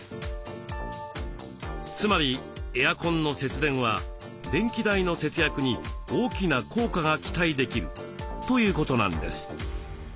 つまりエアコンの節電は電気代の節約に大きな効果が期待できるということなんです。